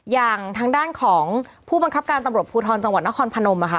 อย่างทางด้านของผู้บังคับการตำรวจภูทรจังหวัดนครพนมค่ะ